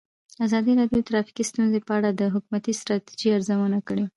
ازادي راډیو د ټرافیکي ستونزې په اړه د حکومتي ستراتیژۍ ارزونه کړې.